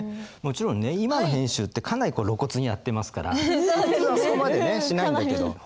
もちろんね今の編集ってかなり露骨にやってますから普通はそこまでねしないんだけど。